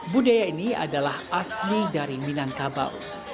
budaya ini adalah asli dari minangkabau